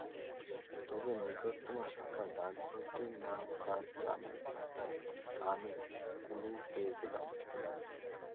তবে নিকটতম শাখা ডাকঘরটির নাম তাঁর জানা থাকায় আমি ক্লু পেয়ে গেলাম।